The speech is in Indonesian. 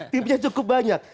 timnya cukup banyak